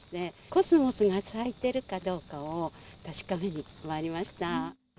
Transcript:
コスモスが咲いてるかどうかを確かめにまいりました。